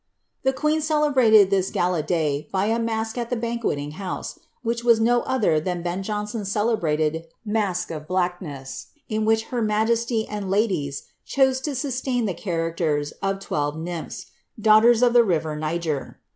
* The queen celebrated lilts gala day by a masque at the banqiietin: house, which was no other than Ben Jonson's celebrated masque l1 '■Blackness," in which her majesiv and ladies chose to sustain ihec!;i raciers of twelve nymphs, daughters of the river Xiger.